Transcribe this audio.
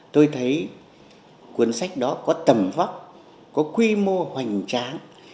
tôi thấy cuốn sách đó có tầm vóc có quy mô hoành tráng